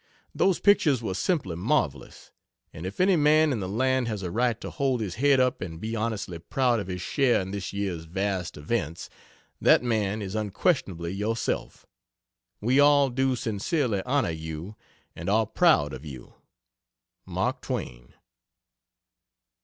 Those pictures were simply marvelous, and if any man in the land has a right to hold his head up and be honestly proud of his share in this year's vast events that man is unquestionably yourself. We all do sincerely honor you, and are proud of you. MARK TWAIN.